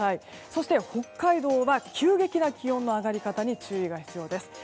そして北海道は急激な気温の上がり方に注意が必要です。